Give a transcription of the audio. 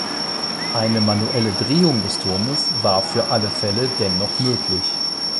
Eine manuelle Drehung des Turmes war für alle Fälle dennoch möglich.